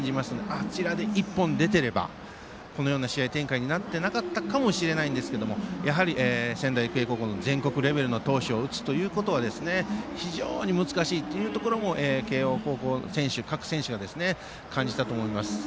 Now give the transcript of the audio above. あちらで一本出ていればこのような試合展開になっていなかったかもしれませんがやはり、仙台育英高校の全国レベルの投手を打つということは非常に難しいというところも慶応高校の各選手は感じたと思います。